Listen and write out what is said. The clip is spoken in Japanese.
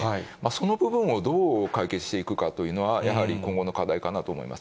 その部分をどう解決していくかというのは、やはり今後の課題かなと思います。